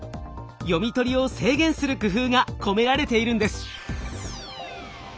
読み取りを制限する工夫が込められているんです。